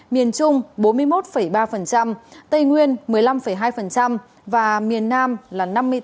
miền trung bốn mươi một ba tây nguyên một mươi năm hai và miền nam là năm mươi tám